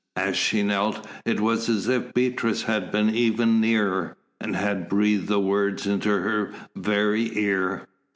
As she knelt, it was as if Beatrice had been even nearer, and had breathed the words into her very ear.